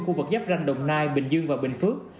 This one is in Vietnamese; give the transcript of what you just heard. khu vực giáp ranh đồng nai bình dương và bình phước